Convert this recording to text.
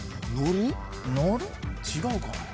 違うかな。